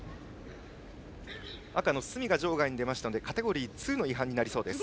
赤の角が場外に出ましたのでカテゴリー２の違反になりそうです。